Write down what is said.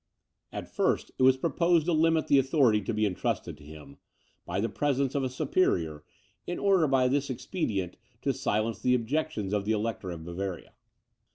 At first, it was proposed to limit the authority to be intrusted to him, by the presence of a superior, in order, by this expedient, to silence the objections of the Elector of Bavaria.